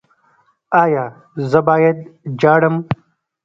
ایا زه باید ژاړم؟